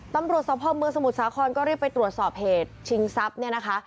ตำรวจสภเมืองสมุทรสาครก็รีบไปตรวจสอบเหตุชิงทรัพย์เนี่ยนะคะ